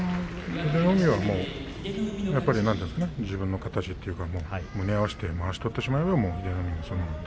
英乃海はもう自分の形というか胸を合わせてまわしを取ってしまえば英乃海の相撲。